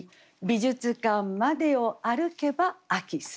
「美術館までを歩けば秋澄めり」。